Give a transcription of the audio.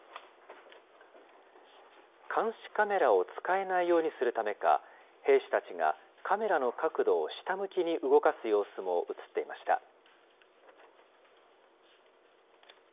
監視カメラを使えないようにするためか、兵士たちがカメラの角度を下向きに動かす様子も映っていました。